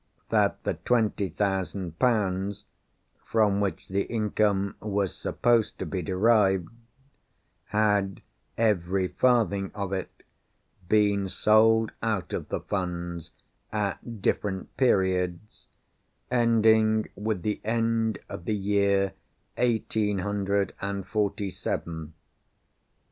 That the twenty thousand pounds (from which the income was supposed to be derived) had every farthing of it been sold out of the Funds, at different periods, ending with the end of the year eighteen hundred and forty seven.